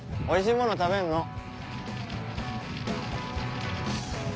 おいしいもの食べるの。